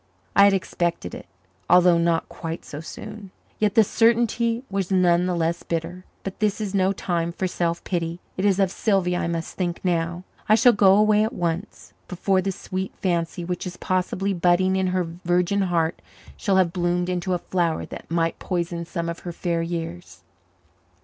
I had expected it, although not quite so soon. Yet the certainty was none the less bitter. But this is no time for self pity. It is of Sylvia I must think now. I shall go away at once, before the sweet fancy which is possibly budding in her virgin heart shall have bloomed into a flower that might poison some of her fair years.